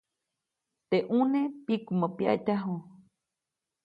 Teʼ ʼune pikumä pyaʼtyaju.